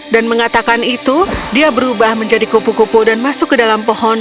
dan mengatakan itu dia berubah menjadi kupu kupu dan masuk ke dalam hidupmu